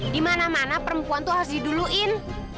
di mana mana perempuan tuh harus diduluin